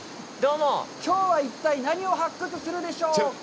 きょうは一体何を発掘するでしょうか？